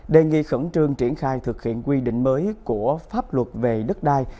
đề nghị khẩn trương triển khai thực hiện quy định mới của pháp luật về đất đai